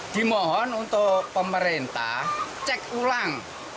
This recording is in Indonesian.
dimohon untuk pemerintah cek ulang